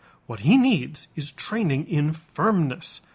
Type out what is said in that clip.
What he needs is training in firmness.